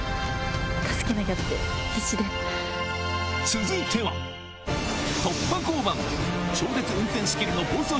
続いては突破交番！